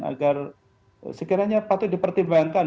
agar sekiranya patut dipertimbangkan